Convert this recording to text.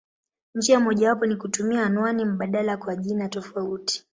Njia mojawapo ni kutumia anwani mbadala kwa jina tofauti.